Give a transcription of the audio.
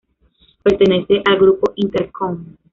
Pertenece al Grupo Intercom.